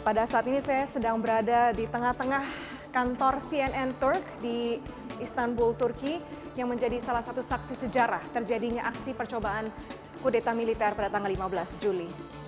pada saat ini saya sedang berada di tengah tengah kantor cnn turk di istanbul turki yang menjadi salah satu saksi sejarah terjadinya aksi percobaan kudeta militer pada tanggal lima belas juli